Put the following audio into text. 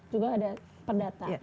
juga ada pendata